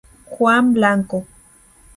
Juan Blanco.